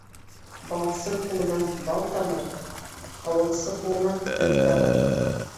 Балсы ҡулынан бал тамыр, һауынсы ҡулынан һөт тамыр.